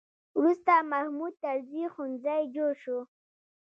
وروسته محمود طرزي ښوونځی جوړ شو.